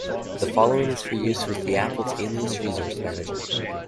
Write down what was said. The following is for use with the Apple's Alias Resource Manager.